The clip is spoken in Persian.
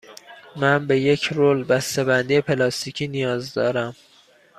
من به یک رول بسته بندی پلاستیکی نیاز دارم.